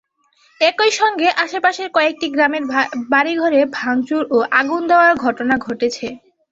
একই সঙ্গে আশপাশের কয়েকটি গ্রামের বাড়িঘরে ভাঙচুর ও আগুন দেওয়ার ঘটনা ঘটেছে।